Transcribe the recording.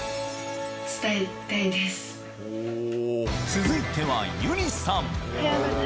続いてはゆりさん